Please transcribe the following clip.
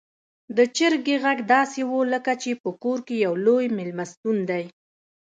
د چرګې غږ داسې و لکه چې په کور کې يو لوی میلمستون دی.